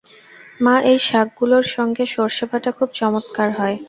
মা, এই শাকগুলার সঙ্গে সর্ষেবাটা খুব চমৎকার হয়।